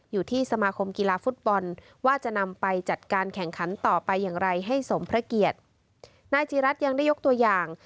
อยู่ที่สมาคมกีฬาฟุตบอลว่าจะนำไปจัดการแข่งขันต่อไปอย่างไรให้สมพระเกียรตินายจีรัฐยังได้ยกตัวอย่าง